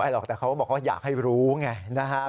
หรอกแต่เขาก็บอกว่าอยากให้รู้ไงนะครับ